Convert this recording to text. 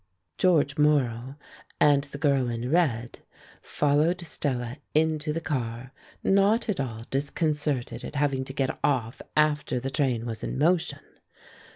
George Morrow and the girl in red followed Stella into the car, not at all disconcerted at having to get off after the train was in motion.